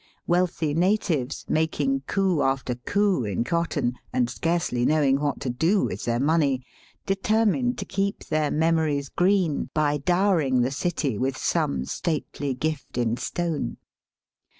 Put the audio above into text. Wealthy natives, making coup after coup in cotton, and scarcely knowing what to do with their money, determined to keep their memories green by dowering the city with some stately gift in stone.